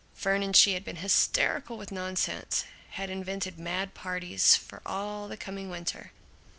Fern and she had been hysterical with nonsense, had invented mad parties for all the coming winter.